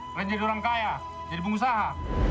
kalian jadi orang kaya jadi pengusaha